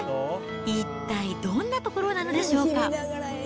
一体どんな所なのでしょうか。